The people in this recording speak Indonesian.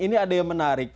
ini ada yang menarik